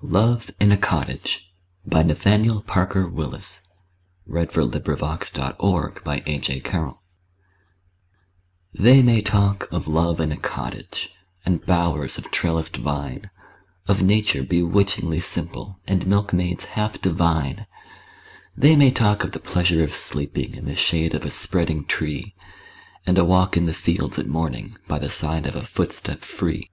et Him Have praises for the well completed year. Nathaniel Parker Willis Love in a Cottage THEY may talk of love in a cottage And bowers of trellised vine Of nature bewitchingly simple, And milkmaids half divine; They may talk of the pleasure of sleeping In the shade of a spreading tree, And a walk in the fields at morning, By the side of a footstep free!